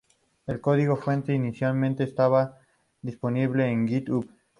El código fuente inicialmente estaba disponible en GitHub.